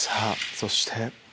そして。